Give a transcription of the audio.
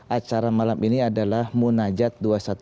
acara malam ini adalah munajat dua ratus dua belas